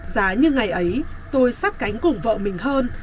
giá như ngày ấy tôi sát cánh cùng vợ mình hơn